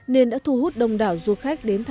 nên đã thu hút đông đảo du khách